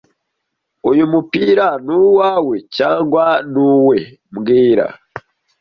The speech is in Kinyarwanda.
Uyu mupira ni uwawe cyangwa ni uwe mbwira